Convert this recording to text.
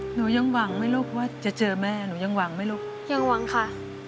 หนูยังหวังไหมลูกว่าจะเจอแม่หนูยังหวังไหมลูกยังหวังค่ะ